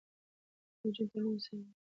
د نجونو تعلیم د ځايي شخړو په کمولو کې مرسته کوي.